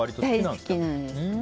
大好きなんです。